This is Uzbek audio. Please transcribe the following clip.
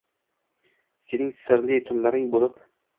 Sening sirli tunlaring bo’lib